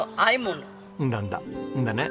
んだんだんだな。